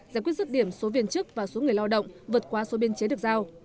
giải quyết rứt điểm số viên chức và số người lao động vượt qua số biên chế được giao